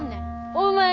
お前